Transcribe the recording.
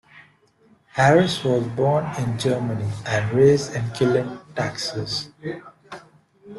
Harris was born in Germany and raised in Killeen, Texas.